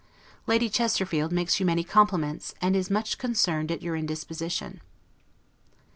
Lady Chesterfield makes you many compliments, and is much concerned at your indisposition.